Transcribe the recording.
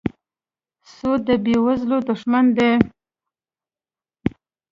سود د بېوزلو دښمن دی.